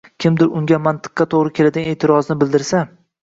kimdir unga mantiqqa to‘g‘ri keladigan e’tirozini bildirsa.